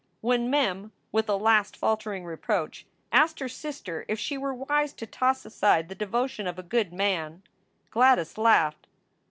When Mem, with a last faltering reproach, asked her sister if she were wise to toss aside the devotion of a good man, Gladys laughed.